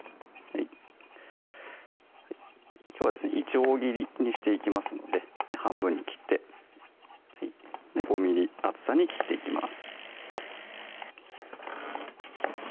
いちょう切りにしていきますので半分に切って５ｍｍ厚さに切っていきます